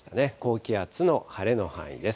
高気圧の晴れの範囲です。